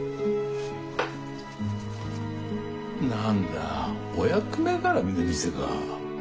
何だお役目がらみの店か。